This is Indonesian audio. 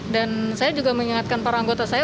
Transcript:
dan saya juga mengingatkan para anggota saya